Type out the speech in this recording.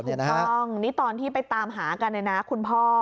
คุณพ่องนี่ตอนที่ไปตามหากันเลยนะคุณพ่อ